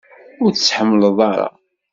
Ur t-tḥemmleḍ ara?